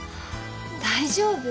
大丈夫？